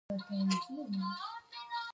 یوه کوټه د مېلمنو لپاره وه